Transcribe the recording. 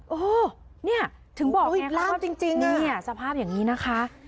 โอ้โหนี่ถึงบอกนะครับสภาพอย่างนี้นะคะ